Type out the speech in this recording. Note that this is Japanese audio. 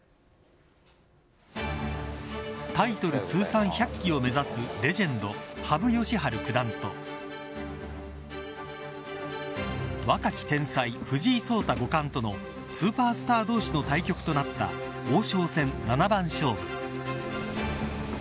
通算１００期を目指すレジェンド羽生善治九段と若き天才・藤井聡太五冠とのスーパースター同士の対局となった王将戦七番勝負。